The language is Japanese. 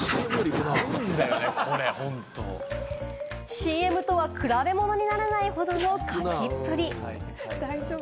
ＣＭとは比べ物にならないほどのかきっぷり！